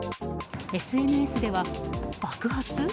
ＳＮＳでは爆発？